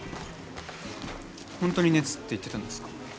本当に熱って言ってたんですか？